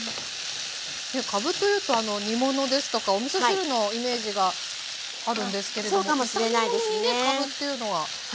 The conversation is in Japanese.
かぶというと煮物ですとかおみそ汁のイメージがあるんですけれども炒め物にねかぶというのは。